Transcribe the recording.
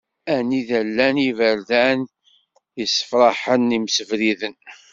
Anida i llan yiberdan i yessefraḥen imsebriden.